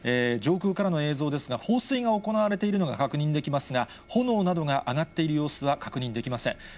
上空からの映像ですが、放水が行われているのが確認できますが、炎などが上がっている様子は確認できません。